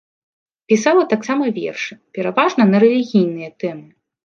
Пісала таксама вершы, пераважна на рэлігійныя тэмы.